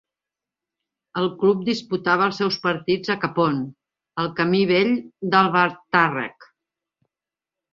El club disputava els seus partits a Cappont, al camí vell d'Albatàrrec.